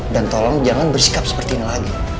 tolong jangan bersikap seperti ini lagi